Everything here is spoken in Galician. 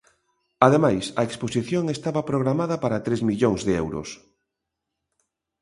Ademais, a exposición estaba programada para tres millóns de euros.